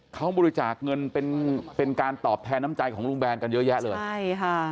เขาบริจาคเงินเป็นเป็นการตอบแทนน้ำใจของลุงแบนกันเยอะแยะเลยใช่ค่ะ